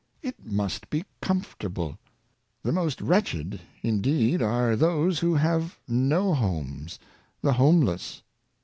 It must be comfortable. The most wretched, indeed, are those who have no homes — the homeless!